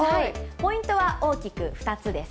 ポイントは大きく２つです。